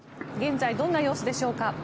現在どんな様子でしょうか。